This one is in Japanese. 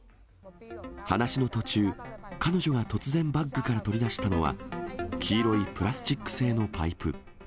話の途中、彼女が突然バッグから取り出したのは、黄色いプラスチック製のパイプ。